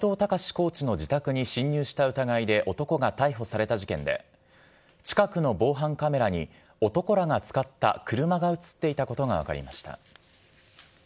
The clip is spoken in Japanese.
コーチの自宅に侵入した疑いで男が逮捕された事件で、近くの防犯カメラに男らが使った車が写っていたことが分かりました。